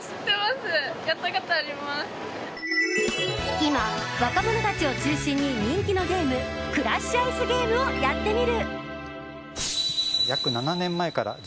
今、若者たちを中心に人気のゲームクラッシュアイスゲームをやってみる。